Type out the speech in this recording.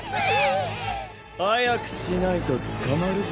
早くしないとつかまるぞ。